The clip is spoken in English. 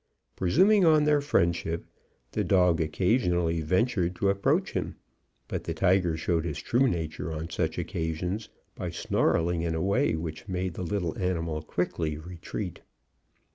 Presuming on their friendship, the dog occasionally ventured to approach him; but the tiger showed his true nature on such occasions by snarling in a way which made the little animal quickly retreat.